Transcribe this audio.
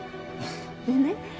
でね